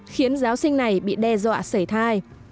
khiến giáo sinh này bị đe dọa sể thai